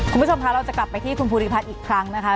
คุณผู้ชมคะเราจะกลับไปที่คุณภูริพัฒน์อีกครั้งนะคะ